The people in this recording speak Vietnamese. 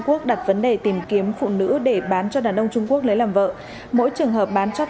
quốc đặt vấn đề tìm kiếm phụ nữ để bán cho đàn ông trung quốc lấy làm vợ mỗi trường hợp bán cho